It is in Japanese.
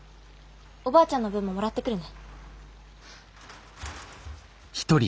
おばあちゃんの分ももらってくるね。